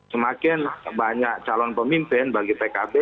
semakin banyak calon pemimpin bagi pkb